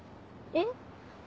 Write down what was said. えっ？